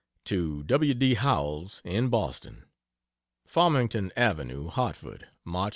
To W. D. Howells, in Boston: FARMINGTON AVENUE, HARTFORD, Mch.